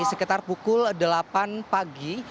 sekitar pukul delapan pagi